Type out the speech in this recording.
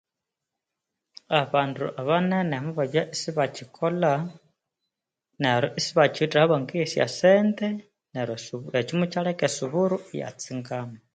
Abandu banene mubabya isibakyokolha neryo isibakiwethe sente ekyo mukyalheka esuburu iyatsingama